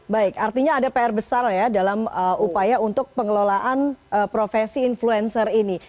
baik artinya ada pr besar ya dalam upaya untuk pengelolaan profesi influencer ini